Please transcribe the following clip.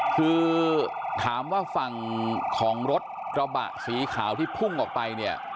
คือถามว่าฝั่งของรถกระบะสีขาวที่พุ่งออกไปเนี่ย